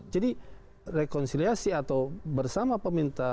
jadi rekonsiliasi atau bersama peminta